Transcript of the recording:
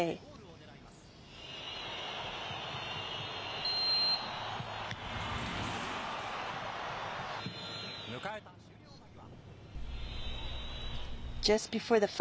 迎えた終了間際。